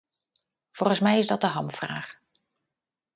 Volgens mij is dat de hamvraag.